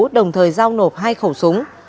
đồng thời giao nộp hai khẩu súng